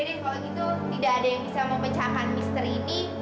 oke deh kalau gitu tidak ada yang bisa mempecahkan misteri ini